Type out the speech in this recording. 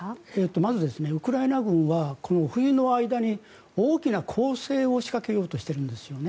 まずウクライナ軍はこの冬の間に大きな攻勢を仕掛けようとしているんですよね。